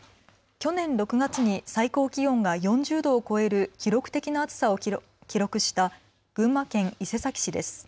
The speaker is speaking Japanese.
去年６月に最高気温が４０度を超える記録的な暑さを記録した群馬県伊勢崎市です。